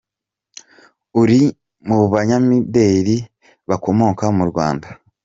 Uri mu banyamideli bakomoka mu Rwanda.